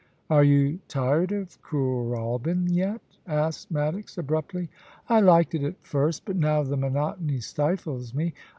'Are you tu ed of Kooralbyn yet?* asked Maddox, abruptly. * I liked it at first, but now the monotony stifles me.